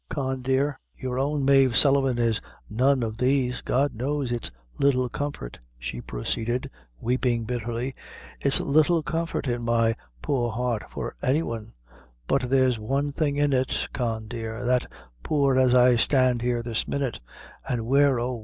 Con dear. You own Mave Sullivan is none of these. God knows it's little comfort," she proceeded, weeping bitterly; "it's little comfort's in my poor heart for any one; but there's one thing in it, Con, dear; that, poor as I stand here this minute; an' where, oh!